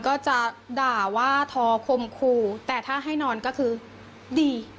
ก็จะด่าว่าทอคมคู่แต่ถ้าให้นอนก็คือดี